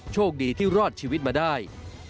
โชคดีที่รอดชีวิตมาได้